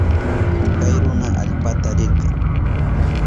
Kay runa allpata rirka.